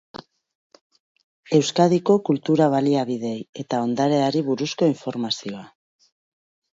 Euskadiko kultura-baliabideei eta ondareari buruzko informazioa.